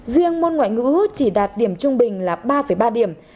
riêng môn ngoại ngữ chỉ đạt điểm trung bình là ba ba điểm